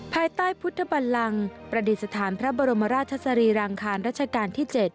ภายใต้พุทธบันลังประดิษฐานพระบรมราชสรีรางคารราชการที่๗